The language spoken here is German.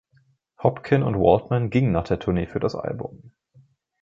Hopkin und Waldman gingen nach der Tournee für das Album.